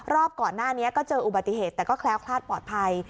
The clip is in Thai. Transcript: ก่อนหน้านี้ก็เจออุบัติเหตุแต่ก็แคล้วคลาดปลอดภัย